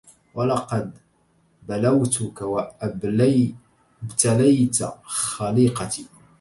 ولقد بلوتك وابتليت خليقتي